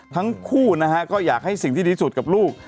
ทั้งคู่นะฮะก็อยากให้สิ่งที่ดีสุดกับลูก